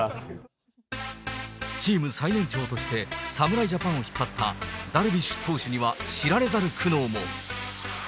チーム最年長として、侍ジャパンを引っ張ったダルビッシュ投手には、知られざる苦悩も。